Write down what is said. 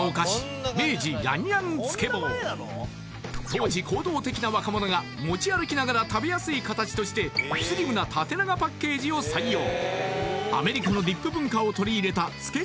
当時行動的な若者が持ち歩きながら食べやすい形としてを採用アメリカのディップ文化を取り入れたつけ